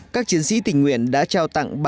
các chiến sĩ tình nguyện đã trao tặng